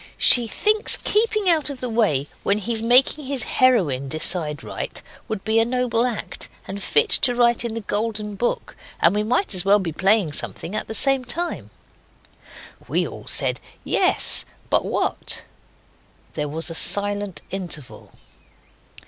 She thinks keeping out of the way when he's making his heroine decide right would be a noble act, and fit to write in the Golden Book; and we might as well be playing something at the same time.' We all said 'Yes, but what?' There was a silent interval.